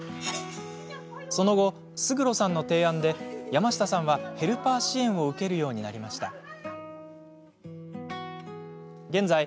その後、勝呂さんの提案で山下さんは、ヘルパー支援を受けるようになりました。